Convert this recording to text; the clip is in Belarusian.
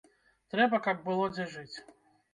Трэба, каб было дзе жыць.